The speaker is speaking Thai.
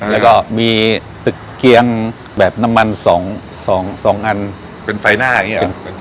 แล้วก็มีตึกเกียงแบบน้ำมัน๒อันเป็นไฟหน้าอย่างนี้หรอ